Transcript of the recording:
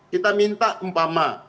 kita minta empama